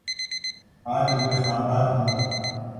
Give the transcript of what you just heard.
آج انتخابات ہوں۔